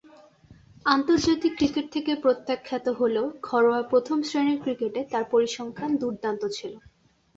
আন্তর্জাতিক ক্রিকেট থেকে প্রত্যাখ্যাত হলেও ঘরোয়া প্রথম-শ্রেণীর ক্রিকেটে তার পরিসংখ্যান দূর্দান্ত ছিল।